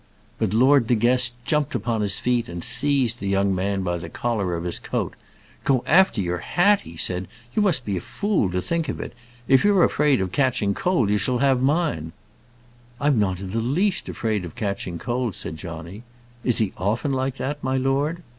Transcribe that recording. But Lord De Guest jumped upon his feet, and seized the young man by the collar of his coat. "Go after your hat!" said he. "You must be a fool to think of it. If you're afraid of catching cold, you shall have mine." "I'm not the least afraid of catching cold," said Johnny. "Is he often like that, my lord?"